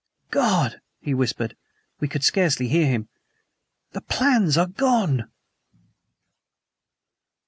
"God!" he whispered we could scarcely hear him "the plans are gone!"